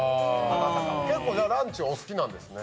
結構ランチお好きなんですね？